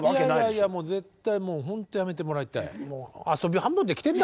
いやいやもう絶対ほんとやめてもらいたい。